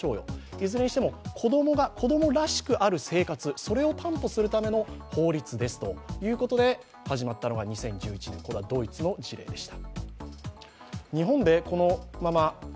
いずれにしても子供が子供らしくある生活を担保するための法律ですということで始まったのが２０１１年、これはドイツの事例でした。